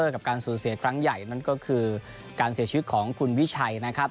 กับการสูญเสียครั้งใหญ่นั่นก็คือการเสียชีวิตของคุณวิชัยนะครับ